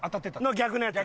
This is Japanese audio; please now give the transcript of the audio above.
の逆のやつ。